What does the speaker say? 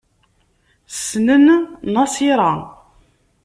Ssnen Nasiṛa.